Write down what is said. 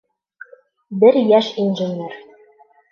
Бер йәш инженер.